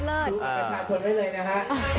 ดูประชาชนไว้เลยนะฮะ